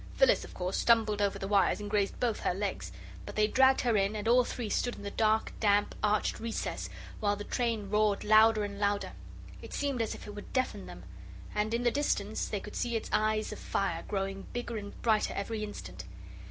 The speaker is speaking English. Phyllis, of course, stumbled over the wires and grazed both her legs. But they dragged her in, and all three stood in the dark, damp, arched recess while the train roared louder and louder. It seemed as if it would deafen them. And, in the distance, they could see its eyes of fire growing bigger and brighter every instant.